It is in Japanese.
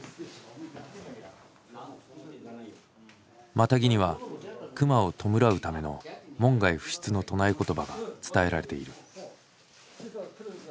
マタギには熊を弔うための門外不出の唱え言葉が伝えられている。